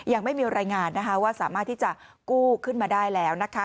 ยังไม่มีรายงานนะคะว่าสามารถที่จะกู้ขึ้นมาได้แล้วนะคะ